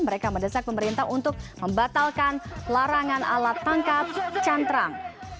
mereka mendesak pemerintah untuk membatalkan larangan alat tangkap cantrang